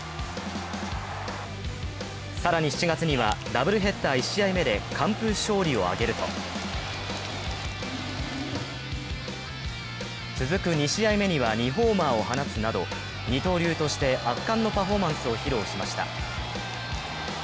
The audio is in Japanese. さらに７月には、ダブルヘッダー１試合目で完封勝利を挙げると、続く２試合目には２ホーマーを放つなど二刀流として圧巻のパフォーマンスを披露しました。